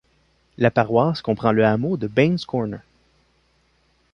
La paroisse comprend le hameau de Bains Corner.